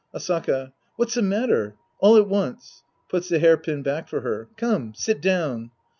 Asaka. What's the matter ? All at once. {Puts the hair pin back for her.) Come, sit down.